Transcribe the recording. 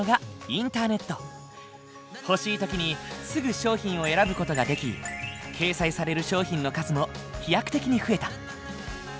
欲しい時にすぐ商品を選ぶ事ができ掲載される商品の数も飛躍的に増えた。